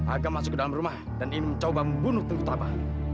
agam masuk ke dalam rumah dan ingin mencoba membunuh tengku taba